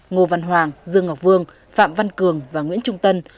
ngô văn hoàng dương ngọc vương phạm văn cường và nguyễn trung tân